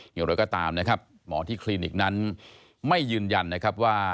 อย่างไรก็ตามหมอที่คลินิกนั้นไม่ยืนยันว่า